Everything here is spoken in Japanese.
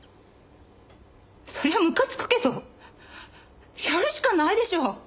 そりゃあムカつくけどやるしかないでしょう？